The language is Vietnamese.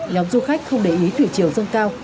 nhóm du khách không để ý thủy chiều dâng cao